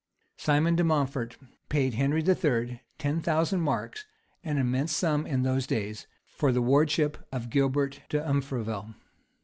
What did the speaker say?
Simon de Mountfort paid Henry III. ten thousand marks, an immense sum in those days, for the wardship of Gilbert de Umfreville.